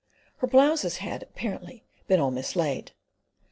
Her blouses had, apparently, been all mislaid.